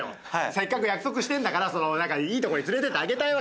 せっかく約束してんだからいいとこに連れてってあげたいわけ。